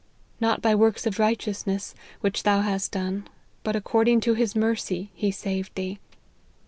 ' Not by works of righteousness which thou hast done, but according to his mercy he saved thee.'